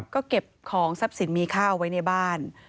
ก็เก็บของทรัพย์สินมีค่าเอาไว้ในบ้าน